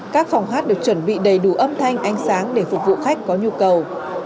các phòng hát được chuẩn bị đầy đủ âm thanh ánh sáng để phục vụ khách có nhu cầu